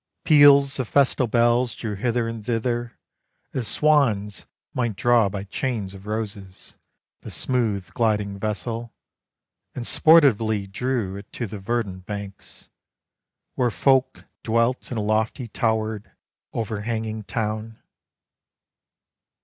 Peals of festal bells drew hither and thither, As swans might draw by chains of roses The smooth gliding vessel, And sportively drew it to the verdant banks, Where folk dwelt in a lofty towered Overhanging town.